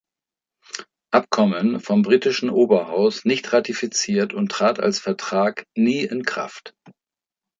Abkommen vom britischen Oberhaus nicht ratifiziert und trat als Vertrag nie in Kraft.